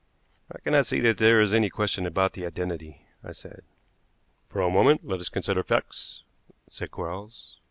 "I cannot see that there is any question about the identity," I said. "For a moment let us consider facts," said Quarles.